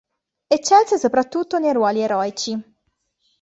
Eccelse soprattutto nei ruoli eroici.